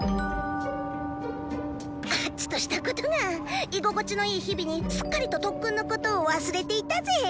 あッチとしたことが居心地のいい日々にすっかりと特訓のことを忘れていたぜ！